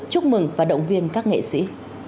chúc mừng và động viên các nghệ sĩ